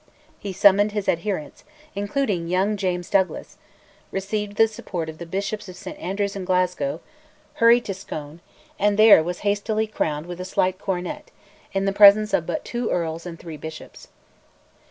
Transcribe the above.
He summoned his adherents, including young James Douglas, received the support of the Bishops of St Andrews and Glasgow, hurried to Scone, and there was hastily crowned with a slight coronet, in the presence of but two earls and three bishops.